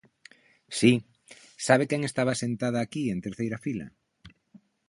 Si, ¿sabe quen estaba sentada aquí en terceira fila?